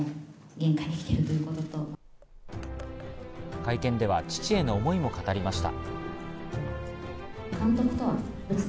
会見では父への思いも語りました。